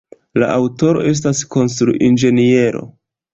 La aŭtoro estas konstruinĝeniero.